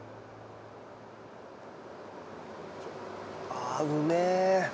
ああうめえ！